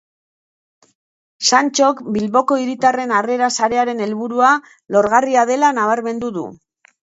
Santxok Bilboko Hiritarren Harrera Sarearen helburua lorgarria dela nabarmendu du.